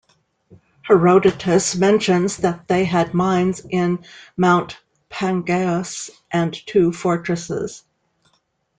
Herodotus mentions that they had mines in Mount Pangaeus and two fortresses.